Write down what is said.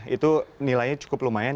itu nilainya cukup lumayan